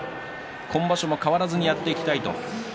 今場所も変わらずやっていきたい。